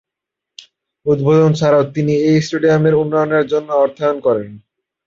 উদ্বোধন ছাড়াও তিনি এই স্টেডিয়ামের উন্নয়নের জন্য অর্থায়ন করেন।